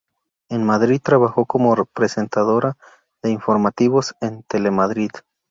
En Madrid trabajó como presentadora de informativos en Telemadrid.